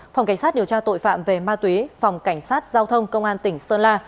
phòng cảnh sát điều tra tội phạm về ma túy phòng cảnh sát giao thông công an tỉnh sơn la